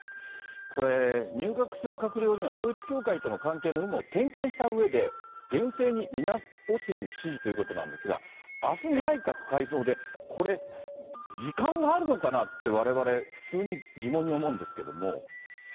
これ、入閣する閣僚には、統一教会との関係の有無を点検したうえで、厳正に見直すように指示ということなんですが、あす内閣改造で、これ、時間があるのかなって、われわれ普通に疑問に思うんですけれども。